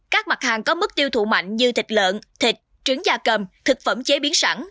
các mặt hàng có mức tiêu thụ mạnh như thịt lợn thịt trứng da cầm thực phẩm chế biến sẵn